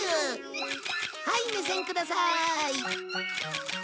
はい目線くださーい。